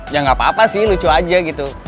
ya nggak apa apa sih lucu aja gitu